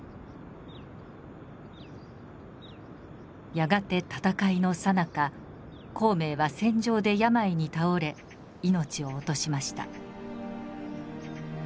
やがて戦いのさなか孔明は戦場で病に倒れ命を落としました。